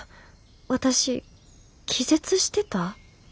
私気絶してた？